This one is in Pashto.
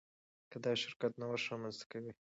دا شرکت نوښت رامنځته کوي.